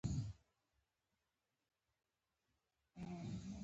د ننګرهار د زیتون فابریکه فعاله ده.